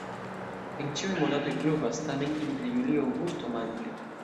En ĉiuj monatoj pluvas, tamen inter julio-aŭgusto malpli.